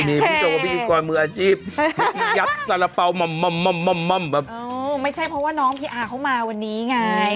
มีผู้ชมว่าพี่กิจกรมืออาชีพยับสาระเปาแบบโอ้ไม่ใช่เพราะว่าน้องพี่อาเข้ามาวันนี้ไง